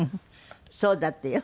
「そうだってよ。